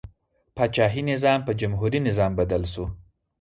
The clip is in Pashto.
پاچاهي نظام په جمهوري نظام بدل شو.